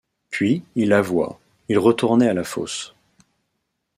Puis, il avoua, il retournait à la fosse.